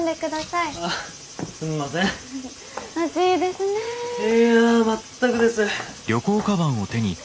いや全くです。